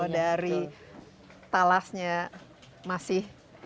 kalau dari talasnya masih ditambah